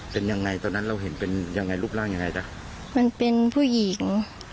เป็นยังไงตอนนั้นเราเห็นเป็นยังไงรูปร่างยังไงจ๊ะมันเป็นผู้หญิง